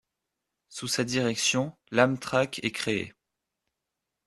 Sous sa direction, l'Amtrak est créée.